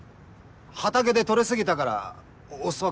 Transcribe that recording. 畑で取れ過ぎたからお裾分け。